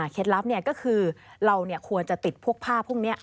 เคล็ดลับนี่ก็คือเราควรจะติดพวกภาพพวกนี้